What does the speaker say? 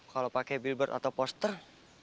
kalau pakai billboard atau poster